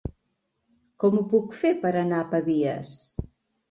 Com ho puc fer per anar a Pavies?